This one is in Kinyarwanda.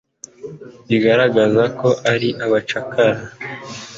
bigaragaza ko ari abacakara.